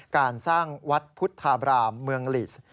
การสร้างวัดพุทธาบรามเมืองลิสต์